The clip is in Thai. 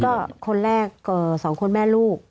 ก็คนแรก๒คนแม่ลูก